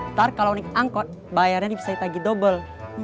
ntar kalau ini angkot bayarnya bisa ditagi dobel